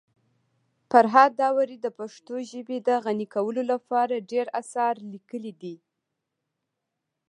فرهاد داوري د پښتو ژبي د غني کولو لپاره ډير اثار لیکلي دي.